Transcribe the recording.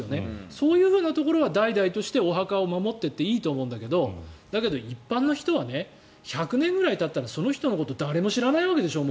そういうところは代々としてお墓を守っていっていいと思うんだけどだけど一般の人は１００年ぐらいたったらその人のことを誰も知らないわけでしょ。